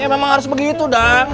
ya memang harus begitu dah